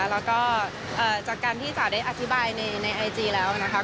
แล้วก็จากการที่จ๋าได้อธิบายในไอจีแล้วนะคะ